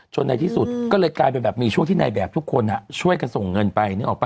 ในที่สุดก็เลยกลายเป็นแบบมีช่วงที่ในแบบทุกคนช่วยกันส่งเงินไปนึกออกป่